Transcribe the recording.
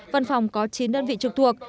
văn phòng có chín đơn vị trực thuộc